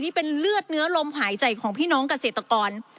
นี่เป็นเลือดเนื้อลมหายใจของพี่น้องเกษตรกร